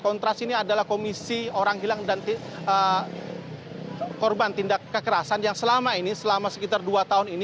kontras ini adalah komisi orang hilang dan korban tindak kekerasan yang selama ini selama sekitar dua tahun ini